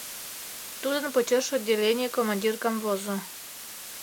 Тудын почеш отделений командир камвозо.